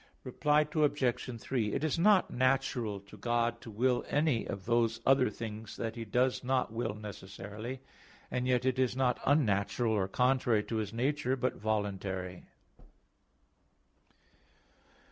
Reply Obj. 3: It is not natural to God to will any of those other things that He does not will necessarily; and yet it is not unnatural or contrary to His nature, but voluntary.